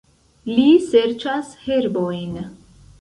Li serĉas herbojn.